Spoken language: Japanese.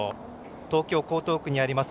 東京・江東区にあります